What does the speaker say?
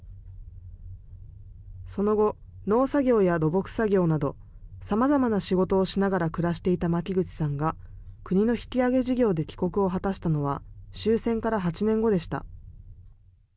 その後、農作業や土木作業など、さまざまな仕事をしながら暮らしていた牧口さんが、国の引き揚げ事業で帰国を果たしたのは、終戦から８年後でした。